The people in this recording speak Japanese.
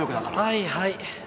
はいはい。